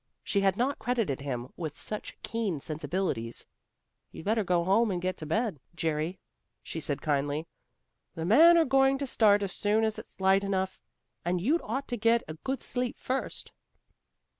She had not credited him with such keen sensibilities. "You'd better go home and get to bed, Jerry," she said kindly. "The men are going to start as soon as it's light enough, and you'd ought to get a good sleep first."